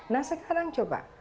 nah sekarang coba